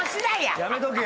やめとけよ。